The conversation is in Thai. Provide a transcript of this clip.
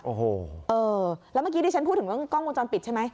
โอ้โหเออแล้วเมื่อกี้ดิฉันพูดถึงกล้องมุมจรปิดใช่ไหม